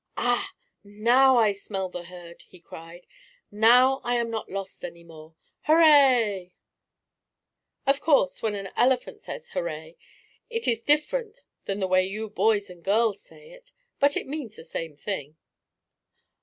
"Ah! Now I smell the herd!" he cried. "Now I am not lost any more! Hurray!" Of course when an elephant says "Hurray" it is different than the way you boys and girls say it. But it means the same thing.